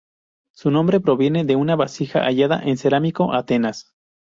Su nombre proviene de una vasija hallada en Cerámico, Atenas.